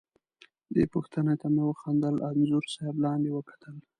دې پوښتنې ته مې وخندل، انځور صاحب لاندې وکتل.